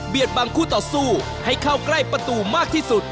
บังคู่ต่อสู้ให้เข้าใกล้ประตูมากที่สุด